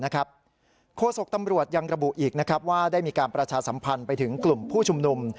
โฆษกตำรวจยังระบุอีกว่าได้มีการประชาสัมพันธ์ไปถึงกลุ่มผู้ชุมนุม